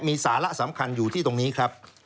มีสาระสำคัญอยู่ที่ตรงนี้ครับ